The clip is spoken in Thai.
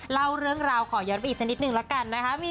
เล่าเรื่องราวขอย้อนไปอีกสักนิดนึงละกันนะคะ